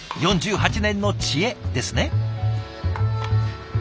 ４８年の知恵ですね。